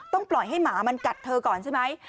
ปล่อยให้หมามันกัดเธอก่อนใช่ไหม